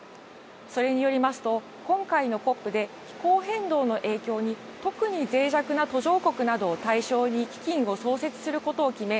それによりますと今回のＣＯＰで気候変動の影響に特にぜい弱な途上国などを対象に基金を創設することを決め